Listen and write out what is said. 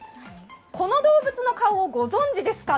この動物の顔をご存じですか。